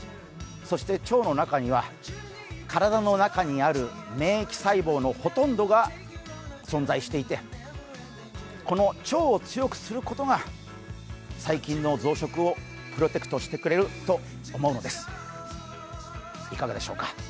そして腸の中には体の中にある免疫細胞のほとんどが存在していて、この腸を強くすることが細菌の増殖をプロテクトしてくれると思うのです、いかがでしょうか。